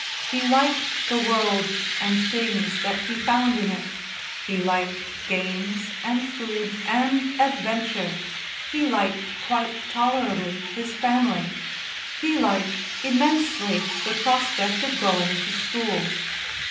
He liked the world and things that he found in it. He liked games, and food, and adventure he liked quite tolerably his family he liked immensely the prospect of going to school.